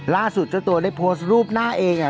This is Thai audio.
ล่าสุดตัวตัวได้โพสรูปหน้าเองอ่ะ